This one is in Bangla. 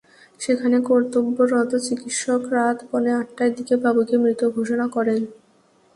সেখানে কর্তব্যরত চিকিত্সক রাত পৌনে আটটার দিকে বাবুকে মৃত ঘোষণা করেন।